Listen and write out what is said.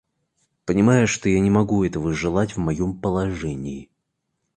Понимаешь, что я не могу этого желать в моем положении.